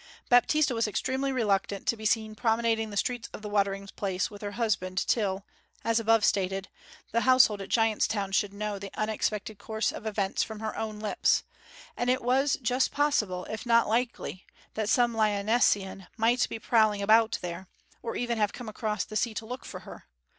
Baptista was extremely reluctant to be seen promenading the streets of the watering place with her husband till, as above stated, the household at Giant's Town should know the unexpected course of events from her own lips; and it was just possible, if not likely, that some Lyonessian might be prowling about there, or even have come across the sea to look for her.